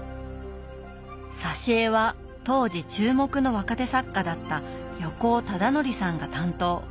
挿絵は当時注目の若手作家だった横尾忠則さんが担当。